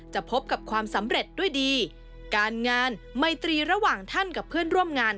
พบกับความสำเร็จด้วยดีการงานไมตรีระหว่างท่านกับเพื่อนร่วมงาน